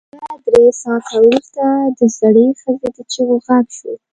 پوره درې ساعته وروسته د زړې ښځې د چيغو غږ شو.